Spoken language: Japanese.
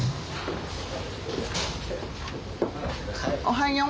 おはよう。